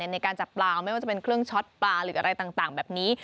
ในการจับปลาไม่ว่าจะเป็นเครื่องช็อตปลาหรืออะไรต่างแบบนี้